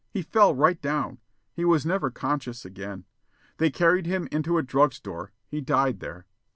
He fell right down. He was never conscious again. They carried him into a drug store. He died there."